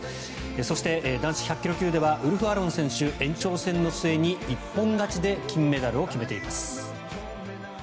そして、男子１００ｋｇ級ではウルフ・アロン選手延長戦の末に一本勝ちで金メダルを決めています。